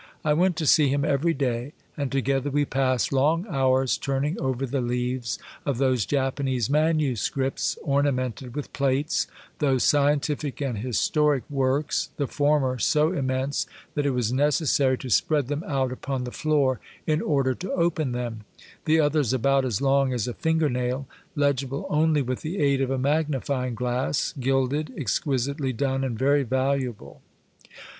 I went to see him every day, and together we passed long hours turning over the leaves of those Japanese manuscripts ornamented with plates, those scientific and historic works, the former so immense that it was necessary to spread them out upon the floor in order to open them, the others about as long as a finger nail, legible only with the aid of a magnifying glass, gilded, exquisitely done, and very valuable.